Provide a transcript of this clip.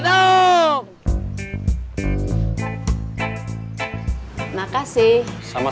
tasik tasik tasik